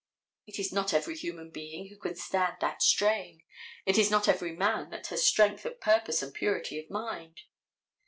It is not every human being who can stand that strain. It is not every man that has strength of purpose and purity of mind.